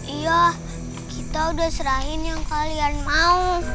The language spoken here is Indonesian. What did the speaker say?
iya kita udah serahin yang kalian mau